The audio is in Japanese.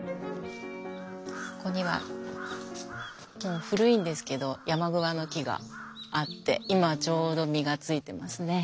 ここには古いんですけど山桑の木があって今ちょうど実がついてますね。